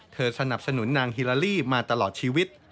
สนับสนุนนางฮิลาลี่มาตลอดชีวิต